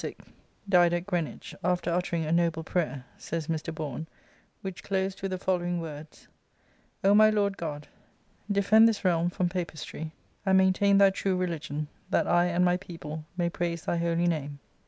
viii Introductory and Biographical Essay, Greenwich, after uttering a noble prayer, says Mn Bourne, which closed with the following words :" O my Lord God, defend this realm from Papistry, and maintain Thy true religion, that I and my people may praise Thy holy name